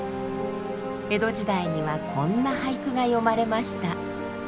江戸時代にはこんな俳句が詠まれました。